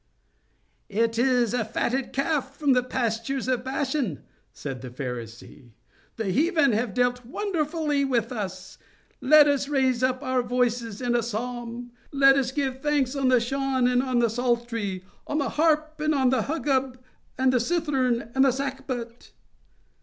"It is a fatted calf from the pastures of Bashan," said the Pharisee, "the heathen have dealt wonderfully with us——let us raise up our voices in a psalm—let us give thanks on the shawm and on the psaltery—on the harp and on the huggab—on the cythern and on the sackbut!"